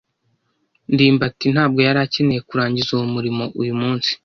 ndimbati ntabwo yari akeneye kurangiza uwo murimo uyu munsi.